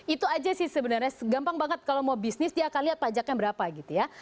itu aja sih sebenarnya gampang banget kalau mau bisnis dia akan lihat pajaknya berapa gitu ya